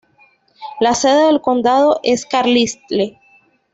La sede del condado es Carlisle.